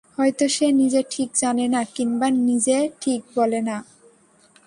হয়তো সে নিজে ঠিক জানে না, কিংবা নিজে ঠিক বলে না।